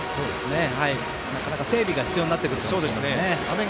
なかなか整備が必要になってくるかもしれません。